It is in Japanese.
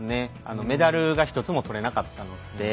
メダルが１つも取れなかったので。